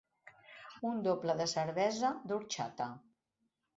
Un doble de cervesa, d'orxata.